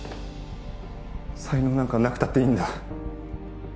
才能なんかなくたっていいんだ